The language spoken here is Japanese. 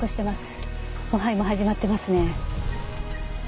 腐敗も始まってますね。